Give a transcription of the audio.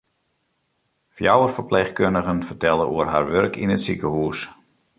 Fjouwer ferpleechkundigen fertelle oer har wurk yn it sikehûs.